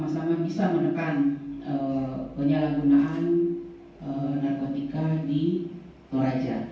sama sama bisa menekan penyalahgunaan narkotika di toraja